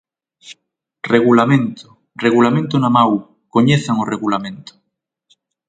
Regulamento, regulamento na man, coñezan o regulamento.